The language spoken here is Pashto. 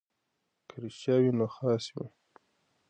که رښتیا وي نو خاص وي.